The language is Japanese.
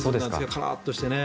カラッとして。